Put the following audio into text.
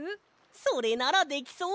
それならできそう！